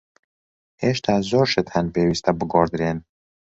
هێشتا زۆر شت هەن پێویستە بگۆڕدرێن.